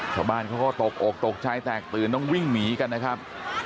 ข้อบ้านก็ตกโอกตกชายแตกตื่นต้องวิ่งหมีกันนะครับ